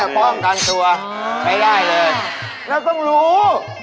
ขอลองดู